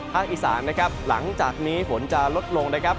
อีสานนะครับหลังจากนี้ฝนจะลดลงนะครับ